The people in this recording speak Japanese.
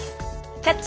「キャッチ！